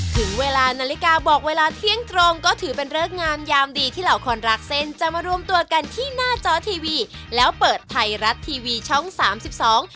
ถึงเวลานาฬิกาบอกเวลาเที่ยงตรงก็ถือเป็นเริกงามยามดีที่เหล่าคนรักเส้นจะมารวมตัวกันที่หน้าจอทีวีแล้วเปิดไทยรัฐทีวีช่องสามสิบสอง